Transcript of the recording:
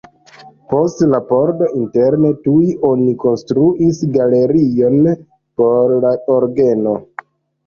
Post la pordo interne tuj oni konstruis galerion por la orgeno.